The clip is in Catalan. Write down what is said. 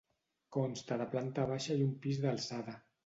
Consta de planta baixa i un pis d'alçada.